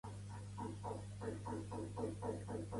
Calle! / —Calle és un carrer.